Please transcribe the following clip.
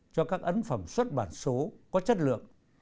cho các ấn phẩm xuất bản số có chất lượng